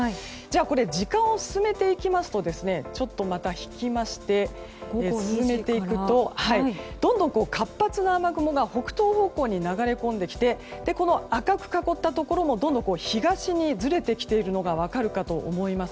これ、時間を進めていきますとどんどん活発な雨雲が北東方向に流れ込んできて赤く囲ったところもどんどん東にずれてきているのが分かるかと思います。